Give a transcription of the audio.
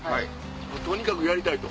とにかくやりたい！と。